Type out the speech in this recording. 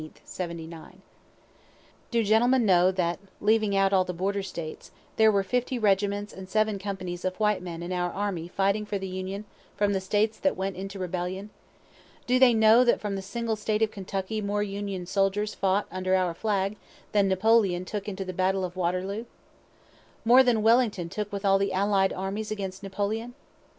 "Do gentlemen know that (leaving out all the border States) there were fifty regiments and seven companies of white men in our army fighting for the Union from the States that went into rebellion? Do they know that from the single State of Kentucky more Union soldiers fought under our flag than Napoleon took into the battle of Waterloo? more than Wellington took with all the allied armies against Napoleon?